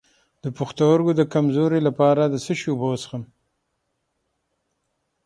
د پښتورګو د کمزوری لپاره د څه شي اوبه وڅښم؟